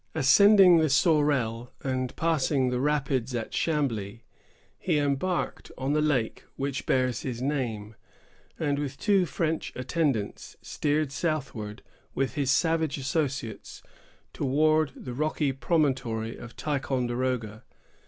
Ascending the Sorel, and passing the rapids at Chambly, he embarked on the lake which bears his name, and with two French attendants, steered southward, with his savage associates, toward the rocky promontory of Ticonderoga.